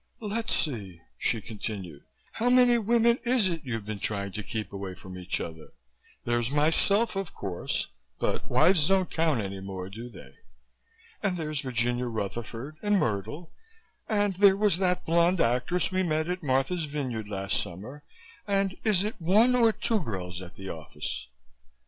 "Let's see," she continued. "How many women is it you've been trying to keep away from each other? There's myself, of course, but wives don't count any more, do they? And there's Virginia Rutherford and Myrtle, and there was that blonde actress we met at Martha's Vineyard last summer, and is it one or two girls at the office?"